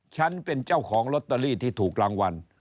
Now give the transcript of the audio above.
ฉันเป็นเจ้าของลอตเตอรี่ที่ถูกรางวัล